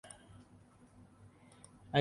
سرکار اور طاقت کی زبان انگریزی ہے۔